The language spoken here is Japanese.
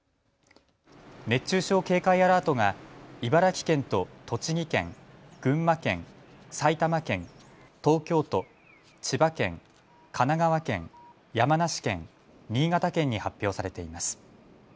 熱中症警戒アラートが茨城県と栃木県、群馬県、埼玉県、東京都、千葉県、神奈川県、山梨県、新潟県に発表されています。